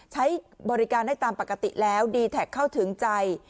ใช้บริการได้ตามปกติแล้วดีแท็กเข้าถึงใจ